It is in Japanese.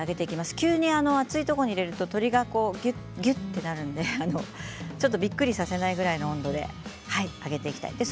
急に熱いところに入れると鶏がぎゅっとなるのでびっくりさせないぐらいの温度で揚げていきたいです。